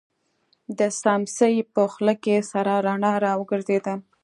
د سمڅې په خوله کې سره رڼا را وګرځېده.